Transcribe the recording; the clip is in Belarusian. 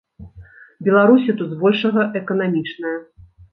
Беларусі тут збольшага эканамічная.